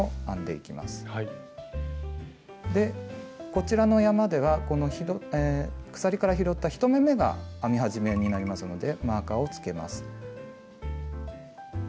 こちらの山では鎖から拾った１目めが編み始めになりますのでマーカーをつけます。